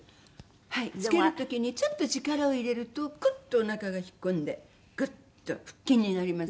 はいつける時にちょっと力を入れるとクッ！とおなかが引っ込んでグッ！と腹筋になります。